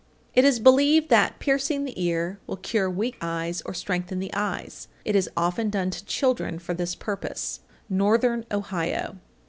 844. It is believed that "piercing the ear" will cure weak eyes or strengthen the eyes. It is often done to children for this purpose. _Northern Ohio.